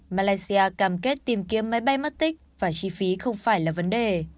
malaysia cam kết tìm kiếm máy bay mất tích và chi phí không phải là vấn đề